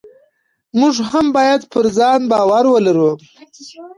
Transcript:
موږ هم باید پر ځان باور ولرو.